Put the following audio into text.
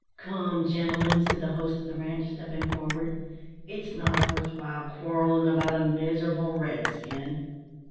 "Come, gentlemen," said the host of the ranche, stepping forward, "it's not worth while quarrelling about a miserable red skin."